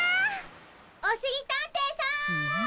おしりたんていさん！